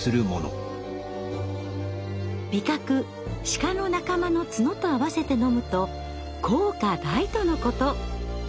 シカの仲間の角と合わせて飲むと効果大とのこと。